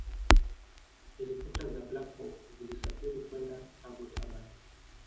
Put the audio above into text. helikopta za Black Hawk zilisafiri kwenda Abbottabad